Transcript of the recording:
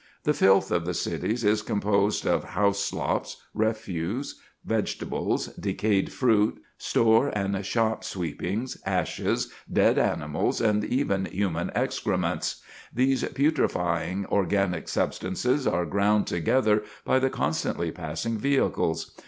The filth of the streets is composed of house slops, refuse vegetables, decayed fruit, store and shop sweepings, ashes, dead animals, and even human excrements. These putrifying organic substances are ground together by the constantly passing vehicles.